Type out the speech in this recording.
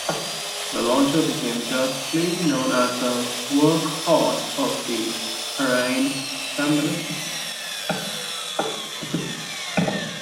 The launcher became justly known as the "workhorse" of the Ariane family.